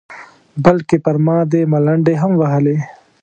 بلکې پر ما دې ملنډې هم وهلې.